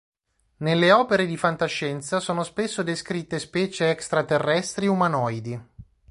Nelle opere di fantascienza sono spesso descritte specie extraterrestri umanoidi.